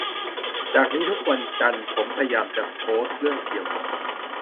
จากนี้ทุกวันจันทร์ผมพยายามจะโพสเรื่องเกี่ยวกับ